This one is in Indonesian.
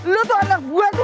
lo tuh anak gue tuh